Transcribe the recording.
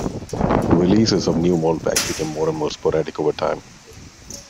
Releases of new mold packs became more and more sporadic over time.